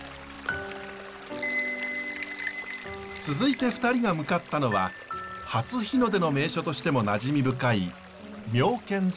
続いて２人が向かったのは初日の出の名所としてもなじみ深い妙見山。